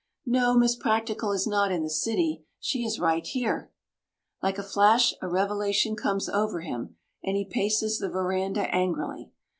No, Miss Practical is not in the city; she is right here. Like a flash a revelation comes over him, and he paces the veranda angrily.